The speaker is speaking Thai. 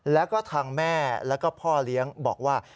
แล้วก็ทางแม่แล้วก็พ่อเลี้ยงบอกว่า